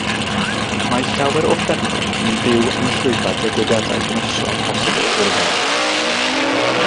Mae llawer o ffermwyr yn byw yn llwybrau digwyddiadau dinistriol posibl o'r fath.